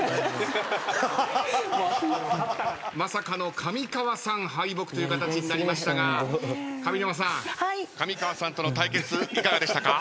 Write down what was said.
まさかの上川さん敗北というかたちになりましたが上沼さん上川さんとの対決いかがでしたか？